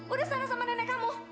udah sadar sama nenek kamu